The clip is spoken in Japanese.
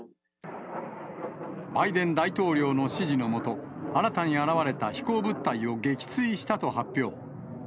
バイデン大統領の指示の下、新たに現れた飛行物体を撃墜したと発表。